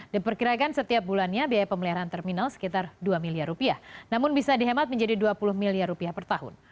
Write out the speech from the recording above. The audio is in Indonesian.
diperkirakan setiap bulannya biaya pemeliharaan terminal sekitar dua miliar rupiah namun bisa dihemat menjadi dua puluh miliar rupiah per tahun